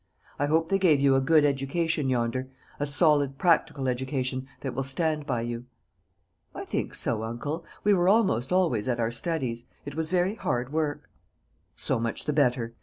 I hope they gave you a good education yonder; a solid practical education, that will stand by you." "I think so, uncle. We were almost always at our studies. It was very hard work." "So much the better.